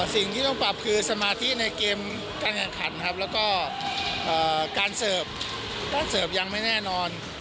สิ่งที่ต้องปรับคือสมาธิในเกมการแข่งขันครับแล้วก็การเสิร์ฟการเสิร์ฟยังไม่แน่นอน